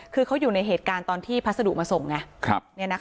คือเขาอยู่ในเหตุการณ์ตอนที่พัสดุมาส่งไง